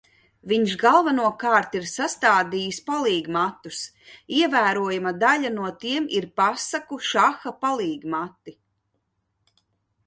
Viņš galvenokārt ir sastādījis palīgmatus, ievērojama daļa no tiem ir pasaku šaha palīgmati.